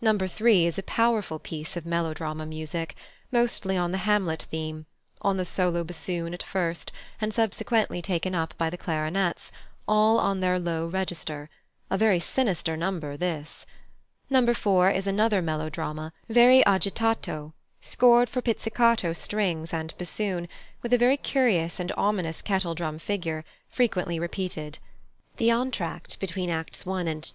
3 is a powerful piece of melodrama music, mostly on the Hamlet theme, on the solo bassoon at first, and subsequently taken up by the clarinets, all on their low register: a very sinister number this. No. 4 is another melodrama, very agitato, scored for pizzicato strings and bassoon, with a very curious and ominous kettledrum figure, frequently repeated. The entr'acte between Acts i. and ii.